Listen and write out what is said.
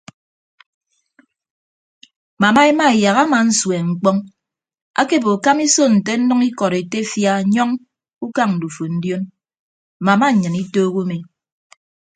Mama emaeyak ama nsueñ mkpọñ akebo kama iso nte nnʌñ ikọd etefia nyọñ ukañ ndufo ndion mama nnyịn itoho umi.